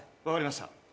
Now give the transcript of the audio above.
分かりました。